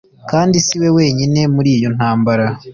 kandi siwe wenyine muri iyo ntambara